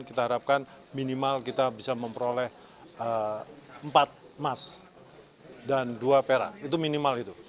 kita harapkan minimal kita bisa memperoleh empat emas dan dua perak itu minimal itu